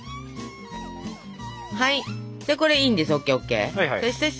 はいじゃあこれいいんです。